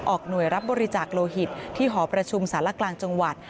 หน่วยรับบริจาคโลหิตที่หอประชุมสารกลางจังหวัด